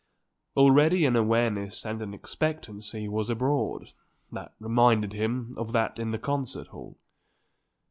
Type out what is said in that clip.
Already an awareness and an expectancy was abroad that reminded him of that in the concert hall.